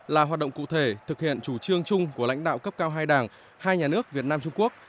là hoạt động cụ thể thực hiện chủ trương chung của lãnh đạo cấp cao hai đảng hai nhà nước việt nam trung quốc